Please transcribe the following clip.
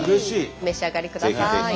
お召し上がりください。